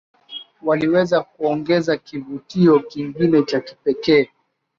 waliweza kuongeza kivutio kingine cha kipekee